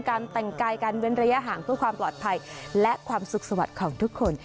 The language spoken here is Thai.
การแต่งกายการเว้นระยะห่างเพื่อความปลอดภัยและความสุขสวัสดิ์ของทุกคน